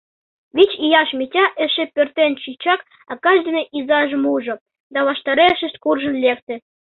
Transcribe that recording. Вич ияш Митя эше пӧртӧнчычак акаж ден изажым ужо да ваштарешышт куржын лекте.